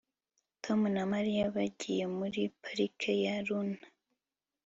Tom na Mariya bagiye muri parike ya Luna